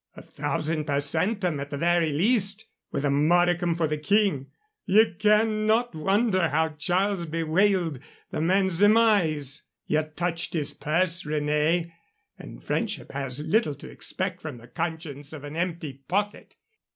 "A thousand per centum at the very least, with a modicum for the King. Ye cannot wonder how Charles bewailed the man's demise. Ye touched his purse, René. And friendship has little to expect from the conscience of an empty pocket."